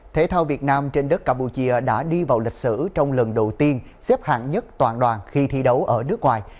thể thao việt nam trên đất campuchia đã đi vào lịch sử trong lần đầu tiên xếp hạng nhất toàn đoàn khi thi đấu ở nước ngoài